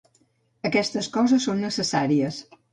Aquestes coses són necessàries.